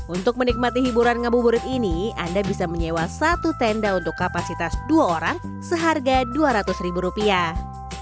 untuk menikmati hiburan ngabuburit ini anda bisa menyewa satu tenda untuk kapasitas dua orang seharga dua ratus ribu rupiah